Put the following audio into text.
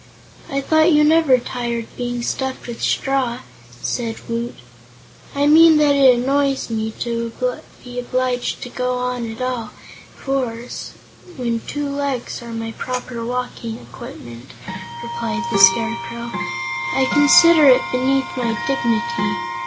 "I thought you never tired, being stuffed with straw," said Woot. "I mean that it annoys me, to be obliged to go on all fours, when two legs are my proper walking equipment," replied the Scarecrow. "I consider it beneath my dignity.